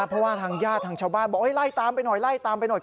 เพราะว่าทางญาติทางชาวบ้านบอกไล่ตามไปหน่อย